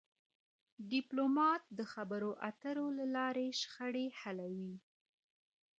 ډيپلومات د خبرو اترو له لارې شخړې حلوي..